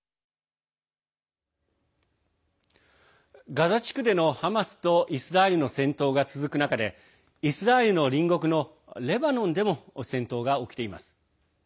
ガザ地区でのハマスとイスラエルの戦闘が続く中でイスラエルの隣国のレバノンでも戦闘が起きています。